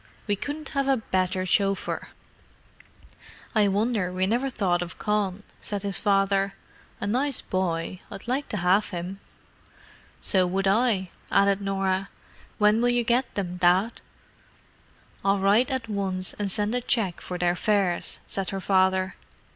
"We couldn't have a better chauffeur." "I wonder we never thought of Con," said his father. "A nice boy; I'd like to have him." "So would I," added Norah. "When will you get them, Dad?" "I'll write at once and send a cheque for their fares," said her father.